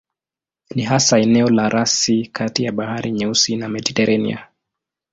Ni hasa eneo la rasi kati ya Bahari Nyeusi na Mediteranea.